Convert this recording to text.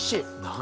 何？